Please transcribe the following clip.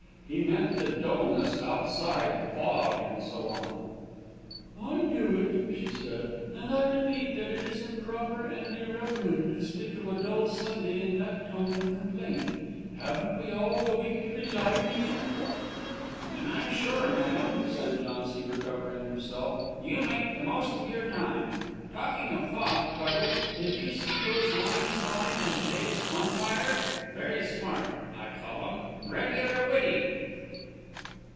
He meant the dulness outside the fog, and so on." "I knew it," she said; "and I repeat that it is improper and irreverent to speak of a dull Sunday in that tone of complaint. Haven't we all the week to be lively in?" "And I'm sure, ma'am," said Jauncy, recovering himself, "you make the most of your time. Talking of fog, Tweddle, did you see those lines on it in to day's Umpire? Very smart, I call them; regular witty."